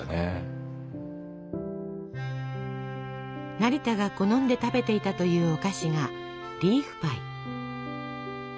成田が好んで食べていたというお菓子がリーフパイ。